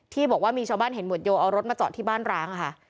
ที่บอกว่ามีชาวบ้านเห็นหวดโยเอารถมาจอดที่บ้านร้างค่ะ